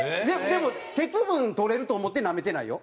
でも鉄分とれると思ってなめてないよ？